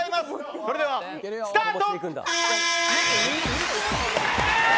それでは、スタート。